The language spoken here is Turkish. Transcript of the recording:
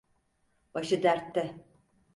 Başı dertte.